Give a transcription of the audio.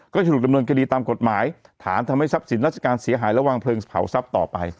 จะถูกดำเนินคดีตามกฎหมายฐานทำให้ทรัพย์สินราชการเสียหายและวางเพลิงเผาทรัพย์ต่อไป